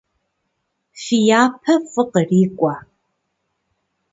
Фи япэ фӏы кърикӏуэ.